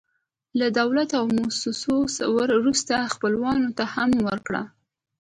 له دولت او موسسو وروسته، خپلوانو ته هم ورکړه.